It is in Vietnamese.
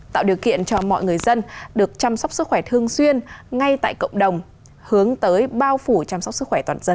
tạo điều kiện cho mọi người dân được chăm sóc sức khỏe thương xuyên ngay tại cộng đồng hướng tới bao phủ chăm sóc sức khỏe toàn dân